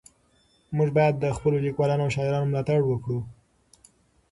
موږ باید د خپلو لیکوالانو او شاعرانو ملاتړ وکړو.